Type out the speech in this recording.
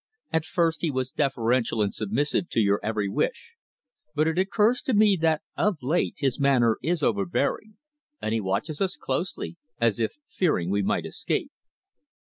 "At first he was deferential and submissive to your every wish, but it occurs to me that of late his manner is overbearing, and he watches us closely, as if fearing we might escape."